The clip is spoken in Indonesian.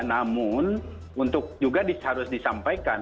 namun untuk juga harus disampaikan